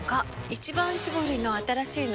「一番搾り」の新しいの？